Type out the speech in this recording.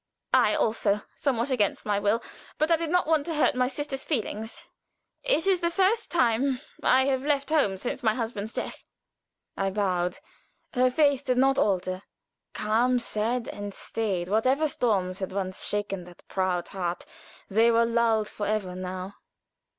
"I also somewhat against my will; but I did not want to hurt my sister's feelings. It is the first time I have left home since my husband's death." I bowed. Her face did not alter. Calm, sad, and staid whatever storms had once shaken that proud heart, they were lulled forever now.